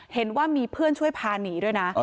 เห็นว่ามีเพื่อนช่วยพาหนีด้วยนะ